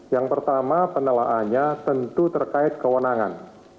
yang pertama penelaannya tentu terkait kewenangan